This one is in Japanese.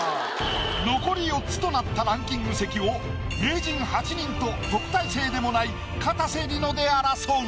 残り４つとなったランキング席を名人８人と特待生でもないかたせ梨乃で争う。